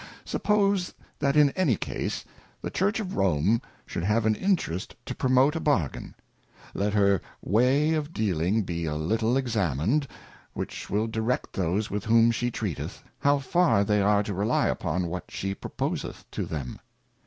Suppose that in any case, the Church of Rome should have an Interest to promote a Bar gain ; let her way of dealing be a little examin'd, which will direct those with whom she treateth, how far they are to rely upon what she proposeth to them.